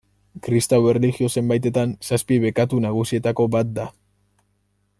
Kristau erlijio zenbaitetan zazpi bekatu nagusietako bat da.